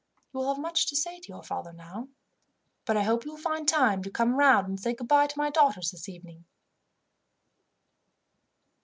You will have much to say to your father now, but I hope you will find time to come round, and say goodbye to my daughters, this evening."